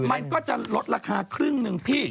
มันก็จะลดราคาครึ่งหนึ่งพี่